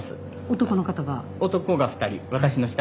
男の方が。